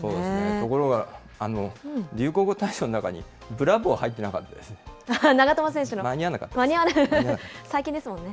ところが、流行語大賞の中にブラボー入ってなかったですね。